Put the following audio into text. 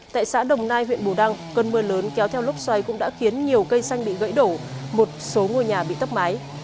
tại xã đồng nai huyện bù đăng cơn mưa lớn kéo theo lốc xoáy cũng đã khiến nhiều cây xanh bị gãy đổ một số ngôi nhà bị tốc mái